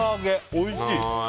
おいしい！